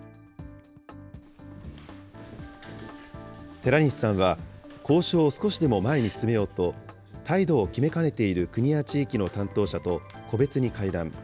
寺西さんは、交渉を少しでも前に進めようと、態度を決めかねている国や地域の担当者と個別に会談。